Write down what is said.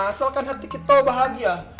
asalkan hati kita bahagia